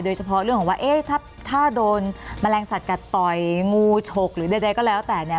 โดยเฉพาะเรื่องของว่าเอ๊ะถ้าโดนแมลงสัตวกัดต่อยงูฉกหรือใดก็แล้วแต่เนี่ย